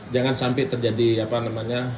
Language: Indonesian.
jangan sampai terjadi apa namanya